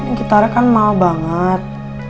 cuman gitarnya kan mal banget